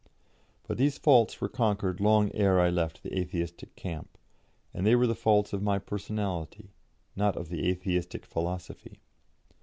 But these faults were conquered long ere I left the Atheistic camp, and they were the faults of my personality, not of the Atheistic philosophy.